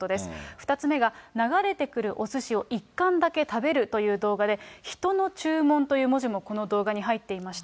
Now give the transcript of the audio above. ２つ目が、流れてくるおすしを１貫だけ食べるという動画で、人の注文という文字もこの動画に入っていました。